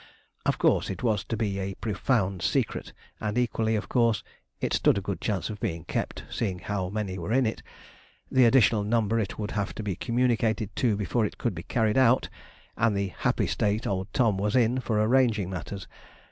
Of course it was to be a 'profound secret,' and equally, of course, it stood a good chance of being kept, seeing how many were in it, the additional number it would have to be communicated to before it could be carried out, and the happy state old Tom was in for arranging matters.